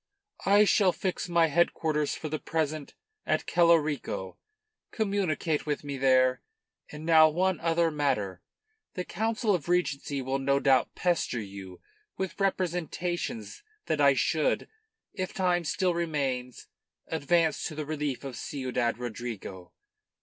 "I shall fix my headquarters for the present at Celorico. Communicate with me there. And now one other matter: the Council of Regency will no doubt pester you with representations that I should if time still remains advance to the relief of Ciudad Rodrigo.